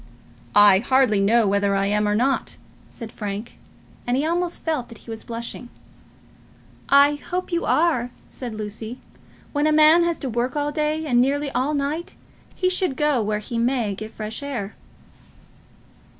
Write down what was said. "I hardly know whether I am or not," said Frank, and he almost felt that he was blushing. "I hope you are," said Lucy. "When a man has to work all day and nearly all night he should go where he may get fresh air."